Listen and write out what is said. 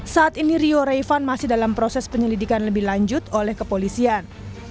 saat ini rio raivan masih dalam proses penyelidikan lebih lanjut oleh kepolisian